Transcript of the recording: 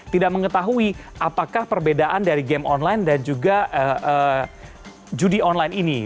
tidak mengetahui apakah perbedaan dari game online dan juga judi online ini